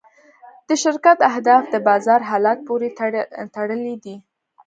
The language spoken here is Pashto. د شرکت اهداف د بازار حالت پورې تړلي دي.